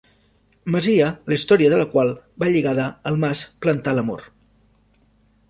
Masia la història de la qual va lligada al mas Plantalamor.